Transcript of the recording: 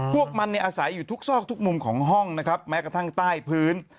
พวกมันเนี่ยอาศัยอยู่ทุกซอกทุกมุมของห้องนะครับแม้กระทั่งใต้พื้น